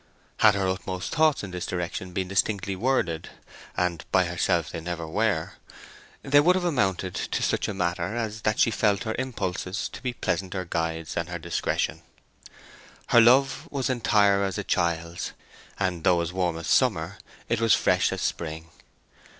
Had her utmost thoughts in this direction been distinctly worded (and by herself they never were), they would only have amounted to such a matter as that she felt her impulses to be pleasanter guides than her discretion. Her love was entire as a child's, and though warm as summer it was fresh as spring.